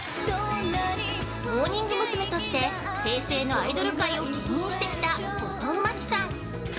モーニング娘。として平成のアイドル界を牽引してきた後藤真希さん。